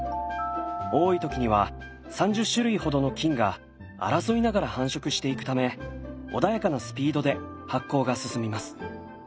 多い時には３０種類ほどの菌が争いながら繁殖していくため穏やかなスピードで発酵が進みます。